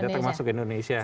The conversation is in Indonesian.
termasuk juga indonesia